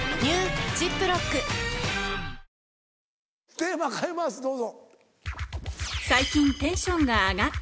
テーマ変えますどうぞ。